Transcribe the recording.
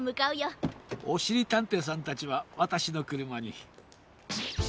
おしりたんていさんたちはわたしのくるまに。